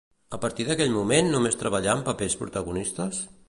A partir d'aquell moment només treballà amb papers protagonistes?